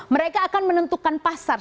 mereka akan menentukan pasar